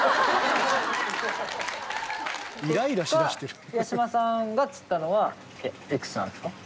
結果八嶋さんが釣ったのはいくつなんですか？